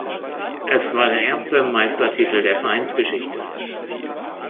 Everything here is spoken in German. Es war der erste Meistertitel der Vereinsgeschichte.